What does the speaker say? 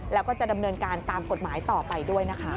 แล้วก็จะดำเนินการตามกฎหมายต่อไปด้วยนะคะ